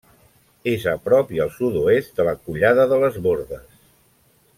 És a prop i al sud-oest de la Collada de les Bordes.